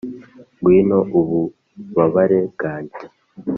ngwino ububabare bwanjye